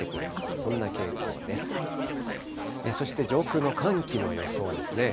そして上空の寒気の予想ですね。